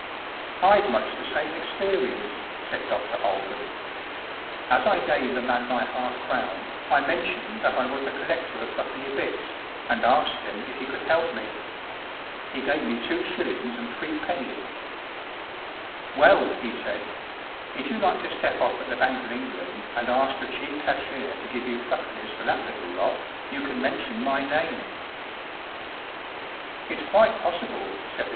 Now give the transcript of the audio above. “ I'd much the same experience*'* said Dr. Aiden* "As I gave the man my half crown I mentioned that I was a collector of threepenny bits, and asked him if he could help me. He gave me two shillings and three pennies* "' Well/ he said, ' if you like to step off at the Bank of England and ask the Chief Cashier to give you threepennies for that little lot, you can mention my name/ " 4t It's quite possible*" said the chairman.